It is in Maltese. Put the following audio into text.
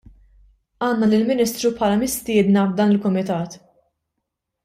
Għandna lill-Ministru bħala mistiedna f'dan il-Kumitat.